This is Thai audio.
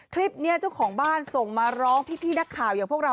คลิปนี้เจ้าของบ้านส่งมาร้องพี่นักข่าวอย่างพวกเรา